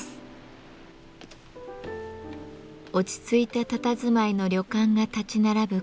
落ち着いたたたずまいの旅館が立ち並ぶ